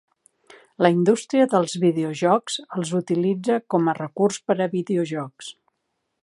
La indústria dels videojocs els utilitza com a recurs per a videojocs.